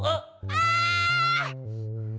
kita sampein yang ini